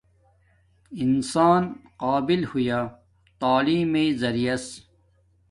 انسان قابل ہویا تعلیم مݵݵ زریعس